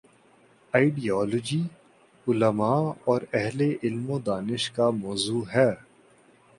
Ideology, علما اور اہل علم و دانش کا موضوع ہے۔